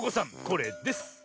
これです。